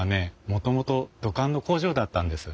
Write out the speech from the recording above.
もともと土管の工場だったんです。